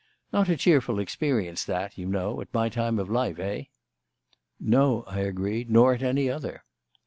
Not a cheerful experience that, you know, at my time of life, eh?" "No," I agreed, "nor at any other."